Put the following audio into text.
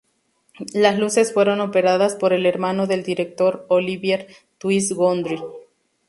Las luces fueron operadas por el hermano del director, Olivier "Twist" Gondry.